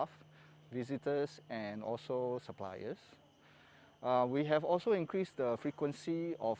pemeriksaan suhu kompulsor untuk semua staf